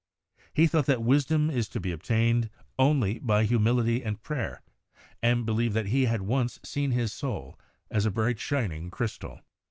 He thought that wisdom is to be obtained only by humility 70 CHEMISTRY and prayer, and believed that he had once seen his soul as a brightly shining crystal.